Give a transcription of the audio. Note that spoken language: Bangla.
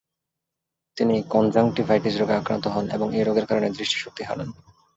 তিনি কনজাঙ্কটিভাইটিস রোগে আক্রান্ত হন এবং এই রোগের কারণে দৃষ্টিশক্তি হারান।